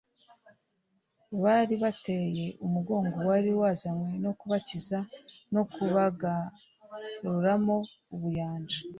Bari batcye umugongo uwari wazanywe no kubakiza no kubagamuamo ubuyanja;